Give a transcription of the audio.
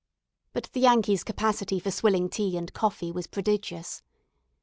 But the Yankee's capacity for swilling tea and coffee was prodigious.